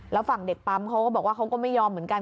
แล้วฝั่งเด็กปั๊มเขาก็บอกว่าเขาก็ไม่ยอมเหมือนกัน